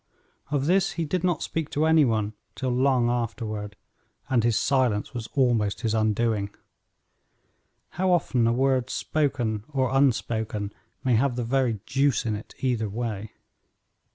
Of this he did not speak to any one till long afterward, and his silence was almost his undoing. How often a word spoken or unspoken may have the very deuce in it either way!